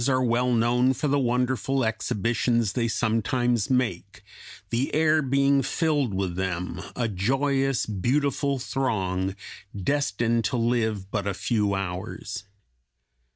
183) are well known for the wonderful exhibitions they sometimes make, the air being filled with them, a joyous, beautiful throng, destined to live but a few hours.